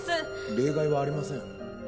例外はありません。